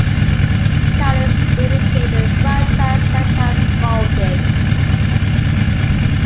"Italics" indicate a franchise that has folded.